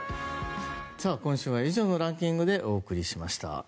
今週は以上のランキングでお送りしました。